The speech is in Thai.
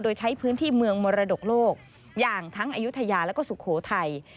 โดยใช้พื้นที่เมืองมรดกโลกอย่างทั้งอายุทยาแล้วก็สุโขทัย